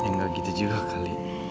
ya nggak gitu juga kali